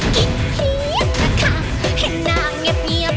กิดเฮียบนะค่ะให้นางเงียบเงียบ